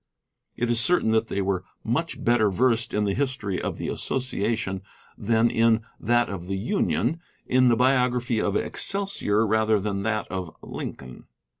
It is certain that they were much better versed in the history of the Association than in that of the Union, in the biography of Excelsior rather than that of Lincoln.